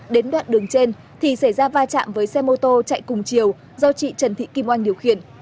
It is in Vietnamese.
đến đoạn đường trên thì xảy ra va chạm với xe mô tô chạy cùng chiều do chị trần thị kim oanh điều khiển